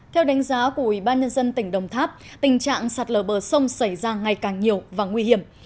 theo đánh giá của ủy ban nhân dân tỉnh đồng tháp tình trạng sạt lở bờ sông xảy ra ngày càng nhiều và nguy hiểm